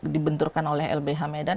dibenturkan oleh lbh medan